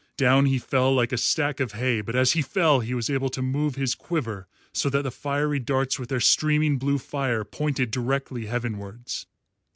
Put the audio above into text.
Down he fell like a stack of hay, but as he fell he was able to move his quiver so that the fiery darts with their streaming blue fire pointed directly heavenwards.